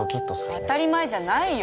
当たり前じゃないよ！